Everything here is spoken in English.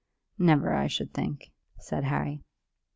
"Never, I should think," said Harry.